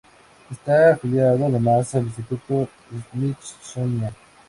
Está afiliado además al Instituto Smithsonian.